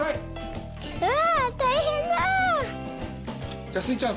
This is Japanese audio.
うわあたいへんだ。スイちゃん